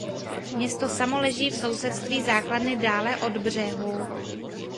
Město samo leží v sousedství základny dále od břehu.